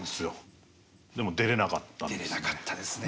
出れなかったですね。